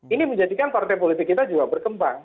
ini menjadikan partai politik kita juga berkembang